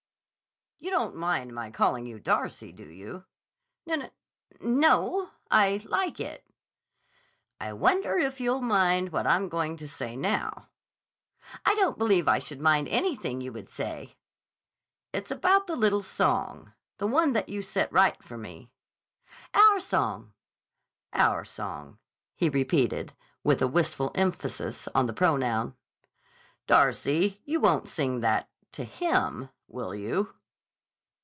"You don't mind my calling you Darcy, do you?" "N n no, I like it." "I wonder if you'll mind what I'm going to say now." "I don't believe I should mind anything you would say." "It's about the little song. The one that you set right for me." "Our song." "Our song," he repeated with a wistful emphasis on the pronoun. "Darcy, you won't sing that—to him—will you?"